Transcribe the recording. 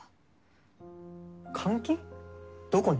どこに？